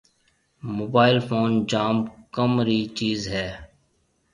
موبائل فون جام ڪم رِي چيز ھيََََ